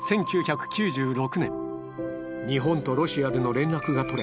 日本とロシアでの連絡が取れ